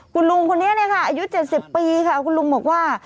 คุณลุงคนนี้เนี้ยค่ะอายุเจ็ดสิบปีค่ะคุณลุงบอกว่า